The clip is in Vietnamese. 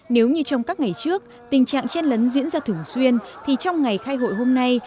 nếu như trong các ngày trước tình trạng chen lấn diễn ra thường xuyên thì trong ngày khai hội hôm nay